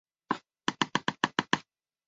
白化病狗是不合标准的。